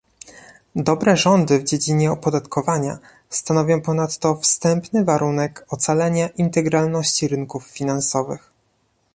Dobre rządy w dziedzinie opodatkowania stanowią ponadto wstępny warunek ocalenia integralności rynków finansowych